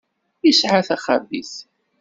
Isɛa taxabit.